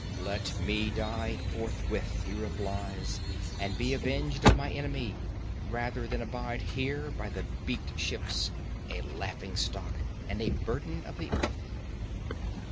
"Let me die forthwith," he replies, "and be avenged of my enemy, rather than abide here by the beaked ships, a laughing stock and a burden of the earth."